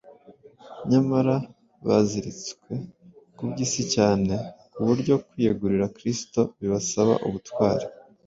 nyamara baziritswe ku by’isi cyane ku buryo kwiyegurira Kristo bibasaba ubutwari.